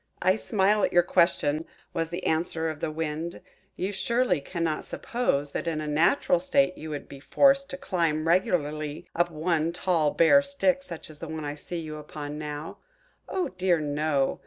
"I smile at your question," was the answer of the Wind. "You surely cannot suppose that in a natural state you would be forced to climb regularly up one tall bare stick such as I see you upon now. Oh dear, no!